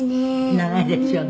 「長いですよね」